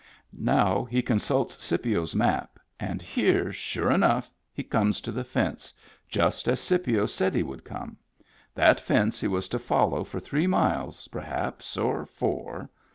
Now he consults Scipio's map, and here, sure enough, he comes to the fence, just as Scipio said he would come; that fence he was to follow for three miles, perhaps, or four.